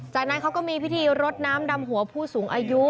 จากนั้นเขาก็มีพิธีรดน้ำดำหัวผู้สูงอายุ